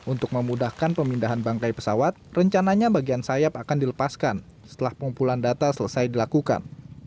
untuk memudahkan pemindahan bangkai pesawat rencananya bagian sayap akan dilepaskan setelah pengumpulan data selesai dilakukan